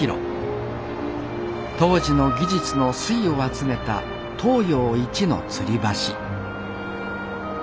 当時の技術の粋を集めた東洋一のつり橋。